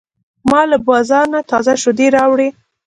ما له بازار نه تازه شیدې راوړې.